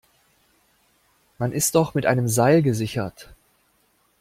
Man ist doch mit einem Seil gesichert!